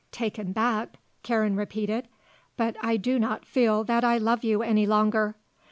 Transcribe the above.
"Taken back?" Karen repeated. "But I do not feel that I love you any longer."